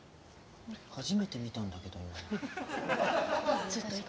初めて見たんだけど今の人。